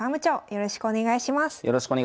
よろしくお願いします。